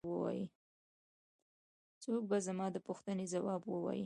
څوک به زما د پوښتنې ځواب ووايي.